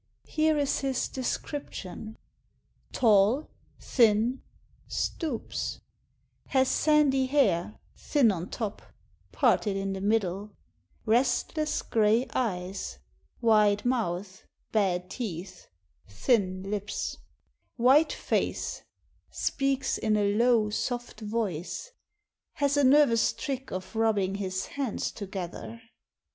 Here is his descrip tion: Tall, thin, stoops; has sandy hair, thin on top, parted in the middle; restless grey eyes; wide mouth, bad teeth, thin lips ; white face ; speaks in a low, soft voice ; has a nervous trick of rubbing his hands together."